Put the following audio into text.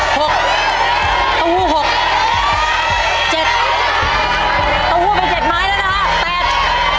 หกตู้หกเจ็ดตู้เป็นเจ็ดไม้แล้วนะฮะแปด